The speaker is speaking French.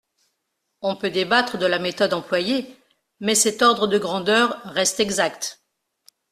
On peut débattre de la méthode employée, mais cet ordre de grandeur reste exact.